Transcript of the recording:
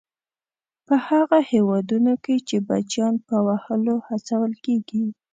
په هغو هېوادونو کې چې بچیان په وهلو هڅول کیږي.